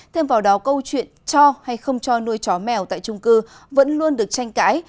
thêm vào đó câu chuyện cho hay không cho nuôi chó mèo tại trung cư vẫn luôn được tranh cãi